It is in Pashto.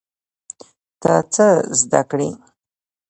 ته څه زده کړې؟